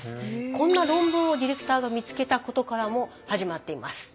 こんな論文をディレクターが見つけたことからも始まっています。